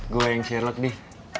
gue yang cirlok nih